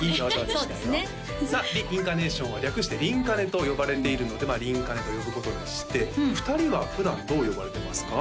そうですねさあＲｅ：ＩＮＣＡＲＮＡＴＩＯＮは略して「リンカネ」と呼ばれているのでまあリンカネと呼ぶことにして２人は普段どう呼ばれてますか？